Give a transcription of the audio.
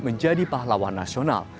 menjadi pahlawan nasional